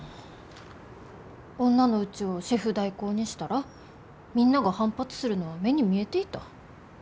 女のうちをシェフ代行にしたらみんなが反発するのは目に見えていた。